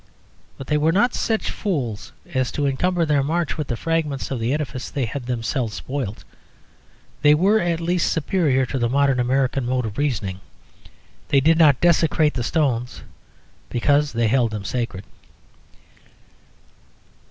But they were not such fools as to encumber their march with the fragments of the edifice they had themselves spoilt. They were at least superior to the modern American mode of reasoning. They did not desecrate the stones because they held them sacred.